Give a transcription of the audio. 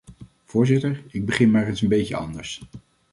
Voorzitter, ik begin maar eens een beetje anders.